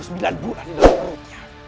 sembilan bulan di dalam grupnya